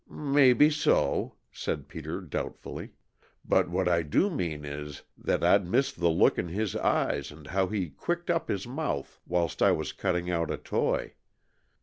"Maybe so," said Peter doubtfully. "What I do mean is, that I'd miss the look in his eyes and how he quirked up his mouth whilst I was cutting out a toy.